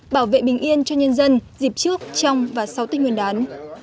bảo vệ bình yên cho nhân dân dịp trước trong và sau tết nguyên đán